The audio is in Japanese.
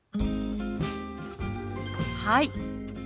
「はい」